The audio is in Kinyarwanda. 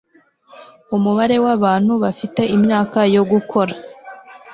umubare w'abantu bafite imyaka yo gukora